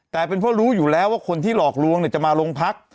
แต่เป็นเพราะรู้อยู่แล้วว่าคนที่หลอกลวงจะมาโรงพัก